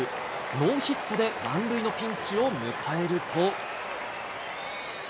ノーヒットで満塁のピンチを迎えると。